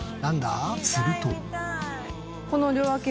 すると。